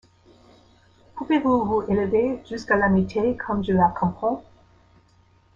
Pouvez-vous vous élever jusqu’à l’amitié comme je la comprends?